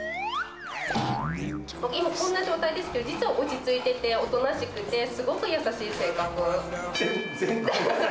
今、こんな状態ですけど、実は落ち着いてて、おとなしくて、すごく優しい性格。